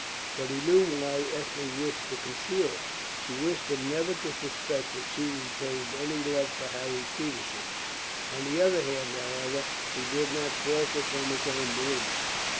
But he knew why Ethne wished to conceal it. She wished him never to suspect that she retained any love for Harry Feversham. On the other hand, however, he did not falter from his own belief.